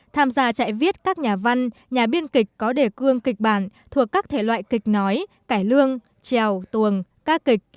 tham gia trại viết các nhà văn nhà biên kịch có đề cương kịch bản thuộc các thể loại kịch nói cải lương trèo tuồng ca kịch